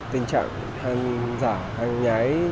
tình trạng hàng giả hàng nhái